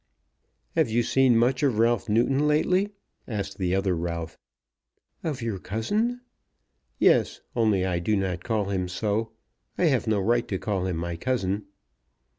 "Have you seen much of Ralph Newton lately?" asked the other Ralph. "Of your cousin?" "Yes; only I do not call him so. I have no right to call him my cousin."